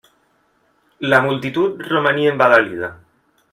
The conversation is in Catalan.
La multitud romania embadalida.